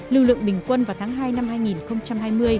lưu lượng bình quân vào tháng hai năm hai nghìn hai mươi